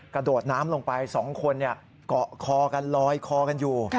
กระโดดน้ำลงไป๒คนเกาะคอกันลอยคอกันอยู่